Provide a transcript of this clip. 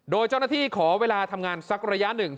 โดยเจ้าหน้าที่ขอเวลาทำงานสักระยะหนึ่ง